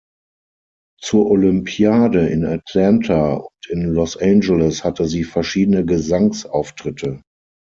Zur Olympiade in Atlanta und in Los Angeles hatte sie verschiedene Gesangs-Auftritte.